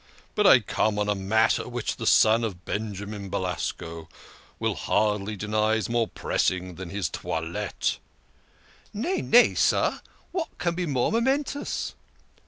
But I come on a matter which the son of Benjamin Belasco will hardly deny is more press ing than his toilette." " Nay, nay, sir, what can be more momentous